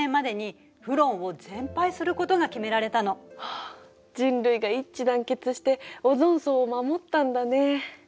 あ人類が一致団結してオゾン層を守ったんだね。